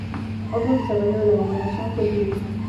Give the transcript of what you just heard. Otro desarrollo de la gobernación fue el turismo.